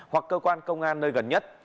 hoặc cơ quan công an nơi gần nhất